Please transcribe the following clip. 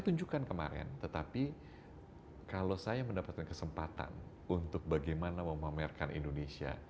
tunjukkan kemarin tetapi kalau saya mendapatkan kesempatan untuk bagaimana memamerkan indonesia